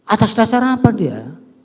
atas dasar apa dia